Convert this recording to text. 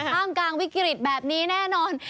ท่ามกลางวิกฤตแบบนี้แน่นอน